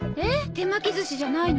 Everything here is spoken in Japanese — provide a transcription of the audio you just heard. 手巻き寿司じゃないの？